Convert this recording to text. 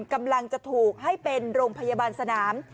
กำลังจะถูกให้เป็นโรงพยาบาลสนาม